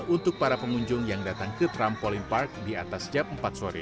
untuk para pengunjung yang datang ke trampolin park di atas jam empat sore